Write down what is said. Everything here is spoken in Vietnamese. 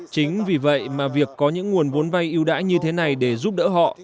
chính vì vậy mà việc có những nguồn vốn vay ưu đãi như thế này để giúp đỡ họ